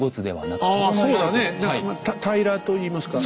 何か平らといいますか。